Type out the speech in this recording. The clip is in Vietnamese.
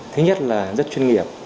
thứ nhất là rất chuyên nghiệp